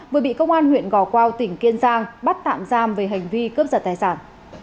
vừa bị công an huyện gò quao tỉnh kiên giang bắt tạm giam về hành vi cướp giật tài sản